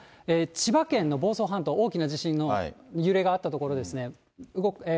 千葉県の房総半島、大きな地震の揺れがあった所ですね。